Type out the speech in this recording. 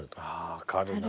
分かるな。